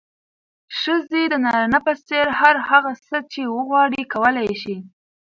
ښځې د نارينه په څېر هر هغه څه چې وغواړي، کولی يې شي.